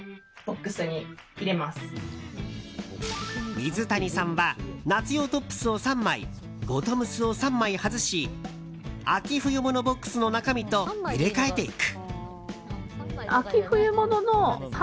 水谷さんは夏用トップスを３枚ボトムスを３枚外し秋冬物ボックスの中身と入れ替えていく。